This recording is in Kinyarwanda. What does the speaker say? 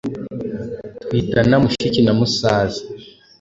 twitana mushiki na musaza